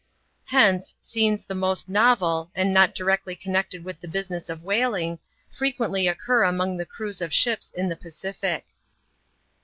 Hence, scenes the most novel, and not directly connected with the business of whaling, frequently occur among the crews of ships in the Pacific.